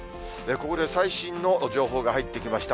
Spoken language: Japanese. ここで最新の情報が入ってきました。